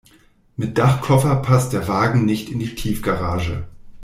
Mit Dachkoffer passt der Wagen nicht in die Tiefgarage.